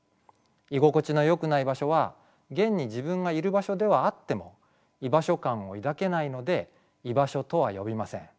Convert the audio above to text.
居心地のよくない場所は現に自分がいる場所ではあっても居場所感を抱けないので「居場所」とは呼びません。